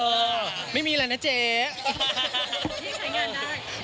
พี่ก็ไม่มีอะไรต้องเคลียร์ครับ